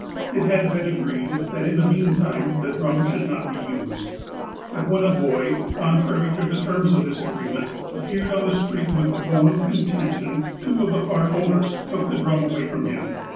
It had been agreed that in the meantime the drum should not be used. But when a boy, contrary to the terms of this agreement, appeared on the street with the "bone of contention," two of the part owners took the drum away from him.